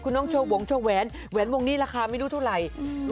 น้องโชควงโชคแหวนแหวนวงนี้ราคาไม่รู้เท่าไหร่